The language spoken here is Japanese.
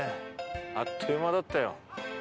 あっという間だったよ。